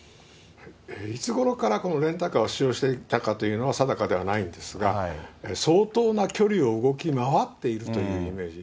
いつごろからレンタカーを使用していたかというのは定かではないんですが、相当な距離を動き回っているというイメージ。